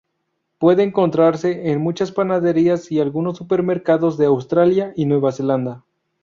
Puede encontrarse en muchas panaderías y algunos supermercados de Australia y Nueva Zelanda.